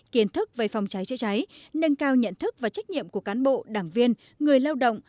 kiến thức về phòng cháy chữa cháy nâng cao nhận thức và trách nhiệm của cán bộ đảng viên người lao động